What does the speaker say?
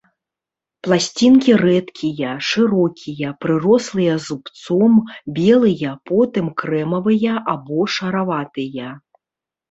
Пласцінкі рэдкія, шырокія, прырослыя зубцом, белыя, потым крэмавыя або шараватыя.